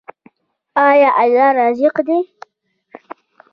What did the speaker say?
آیا الله رزاق دی؟